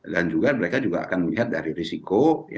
dan mereka juga akan melihat dari risiko